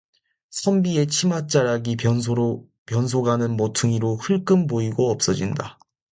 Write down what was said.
선비의 치맛자락이 변소 가는 모퉁이로 흘금 보이고 없어진다.